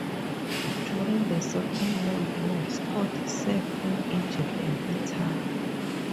During the Second World War, Scott served in Egypt and Italy.